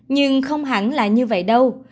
nhưng không hẳn là như vậy đâu